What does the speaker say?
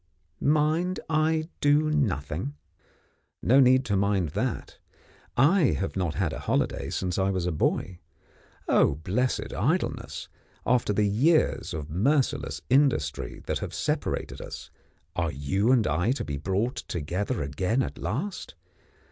Mind I do nothing? No need to mind that. I have not had a holiday since I was a boy. Oh, blessed Idleness, after the years of merciless industry that have separated us, are you and I to be brought together again at last?